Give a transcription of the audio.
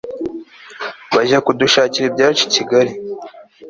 bajya kudushakira ibyacu ikigal